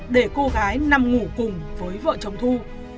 để cô gái nằm ngủ cùng với vợ chồng thu